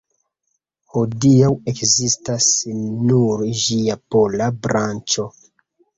Hodiaŭ ekzistas nur ĝia pola branĉo.